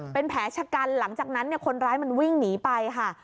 เป็นแผลชะกันหลังจากนั้นคนร้ายมันวิ่งหนีไปค่ะ